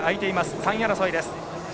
３位争いです。